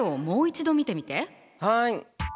はい。